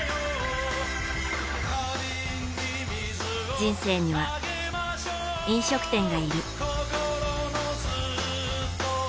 人生には、飲食店がいる。